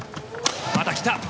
また来た。